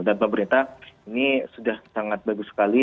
dan pemerintah ini sudah sangat bagus sekali